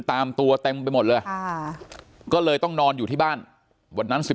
ตามตัวเต็มไปหมดเลยก็เลยต้องนอนอยู่ที่บ้านวันนั้น๑๑